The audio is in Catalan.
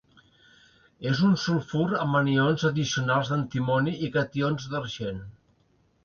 És un sulfur amb anions addicionals d'antimoni i cations d'argent.